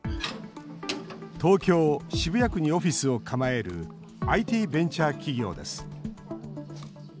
東京・渋谷区にオフィスを構えるＩＴベンチャー企業です。